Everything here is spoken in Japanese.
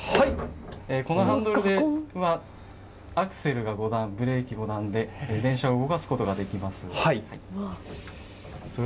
このハンドルでアクセルが５段ブレーキが５段で電車を動かすことができます。